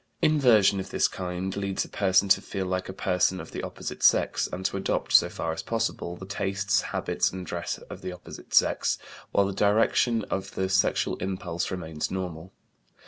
Inversion of this kind leads a person to feel like a person of the opposite sex, and to adopt, so far as possible, the tastes, habits, and dress of the opposite sex, while the direction of the sexual impulse remains normal.